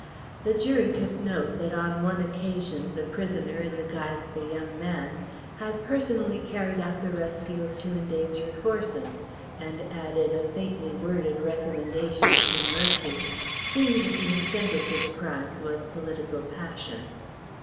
The jury took note that on one occasion the prisoner in the guise of a young man had personally carried out the rescue of two endangered horses; and added a faintly worded recommendation to mercy, seeing that the incentive to the crimes was political passion.